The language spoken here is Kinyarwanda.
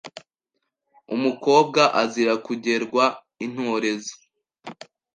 Umukobwa azira kugerwa intorezo